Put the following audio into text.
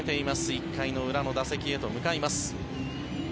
１回の裏の打席へと向かいます。